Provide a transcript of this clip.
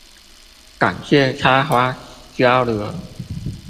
感謝插花交流